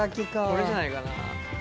これじゃないかな。